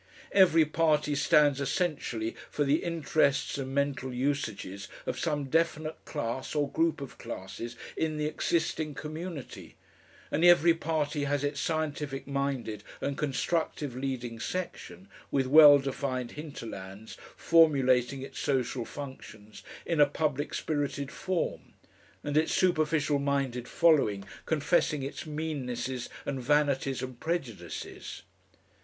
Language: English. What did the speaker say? Every party stands essentially for the interests and mental usages of some definite class or group of classes in the exciting community, and every party has its scientific minded and constructive leading section, with well defined hinterlands formulating its social functions in a public spirited form, and its superficial minded following confessing its meannesses and vanities and prejudices.